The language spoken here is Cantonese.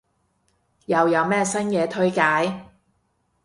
又有咩新嘢推介？